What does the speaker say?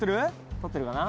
撮ってるかな？